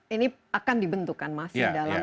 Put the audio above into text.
ini akan dibentukkan masih dalam